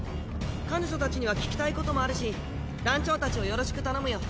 彼女たちには聞きたいこともあるし団長たちをよろしく頼むよ。